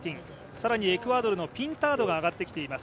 更にエクアドルのピンタードが上がってきています。